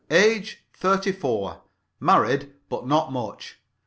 Age, thirty four. Married, but not much.